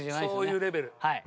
そういうレベル。